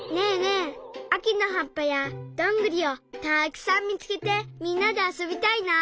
えあきのはっぱやどんぐりをたくさんみつけてみんなであそびたいな。